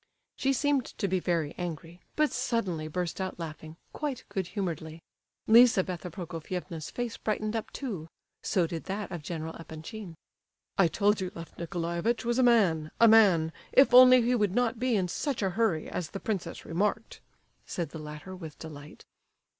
She seemed to be very angry, but suddenly burst out laughing, quite good humouredly. Lizabetha Prokofievna's face brightened up, too; so did that of General Epanchin. "I told you Lef Nicolaievitch was a man—a man—if only he would not be in such a hurry, as the princess remarked," said the latter, with delight.